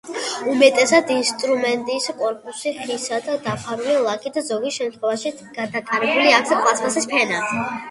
უმეტესად ინსტრუმენტის კორპუსი ხისაა და დაფარულია ლაქით, ზოგ შემთხვევაში გადაკრული აქვს პლასტმასის ფენა.